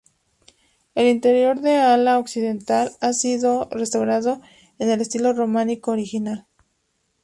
El interior del ala occidental ha sido restaurado en el estilo románico original.